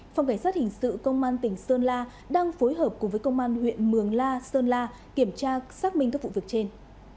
phòng cảnh sát hình sự công an tỉnh sơn la đang phối hợp cùng với công an huyện mường la sơn la kiểm tra xác minh các vụ việc trên